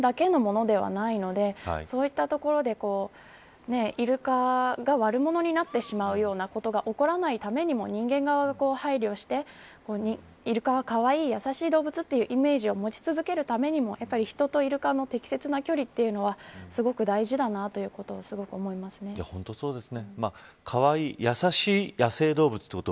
あと、とはいえ海や自然の環境というのは人間だけのものではないのでそういったところでイルカが悪者になってしまうようなことが起こらないためにも人間側が配慮してイルカはかわいいやさしい動物というイメージを持ち続けるためにも人とイルカの適切な距離というのはすごく大事だなということをすごく思います。